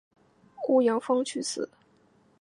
途中由正定至北京一段乘搭了火车专列。